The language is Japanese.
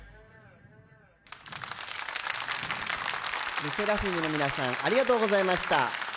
ＬＥＳＳＥＲＡＦＩＭの皆さんありがとうございました。